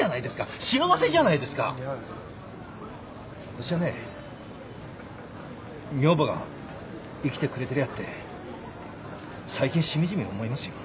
私はね女房が生きてくれてりゃって最近しみじみ思いますよ。